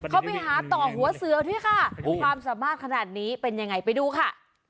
เขาไปหาต่อหัวเสือด้วยค่ะความสามารถขนาดนี้เป็นยังไงไปดูค่ะ